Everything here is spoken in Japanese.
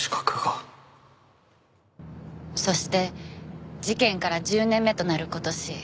そして事件から１０年目となる今年。